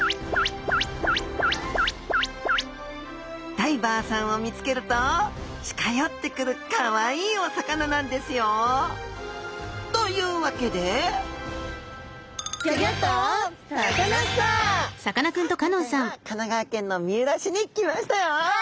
ダイバーさんを見つけると近寄ってくるかわいいお魚なんですよ！というわけでさあ今回は神奈川県の三浦市に来ましたよ。